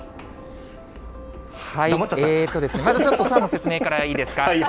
まずちょっと、空の説明からいいですか？